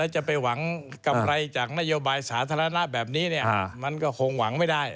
จะไปหวังกำไรจากนโยบายสาธารณะแบบนี้มันก็คงหวังไม่ได้